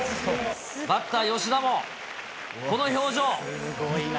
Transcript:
バッター、よしだも、この表情。